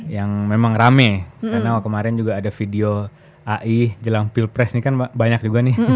yang memang rame karena kemarin juga ada video ai jelang pilpres ini kan banyak juga nih